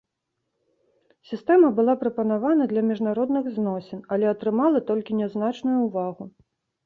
Сістэма была прапанавана для міжнародных зносін, але атрымала толькі нязначную ўвагу.